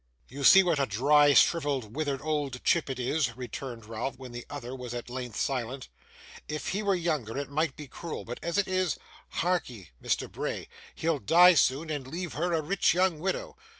'You see what a dry, shrivelled, withered old chip it is,' returned Ralph, when the other was at length silent. 'If he were younger, it might be cruel, but as it is harkee, Mr. Bray, he'll die soon, and leave her a rich young widow!